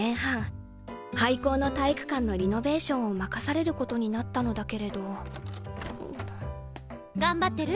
廃校の体育館のリノベーションを任されることになったのだけれど頑張ってる？